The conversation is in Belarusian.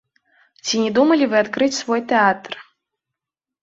Ці не думалі вы адкрыць свой тэатр?